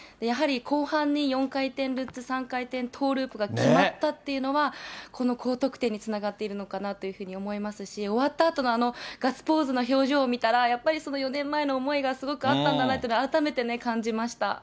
やはり後半に４回転ルッツ、３回転トーループが決まったっていうのは、この高得点につながっているのかなというふうに思いますし、終わったあとのあのガッツポーズの表情を見たら、やっぱり４年前の思いがすごくあったんだなっていうのを、改めて感じました。